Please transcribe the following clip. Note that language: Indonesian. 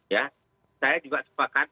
ya saya juga sepakat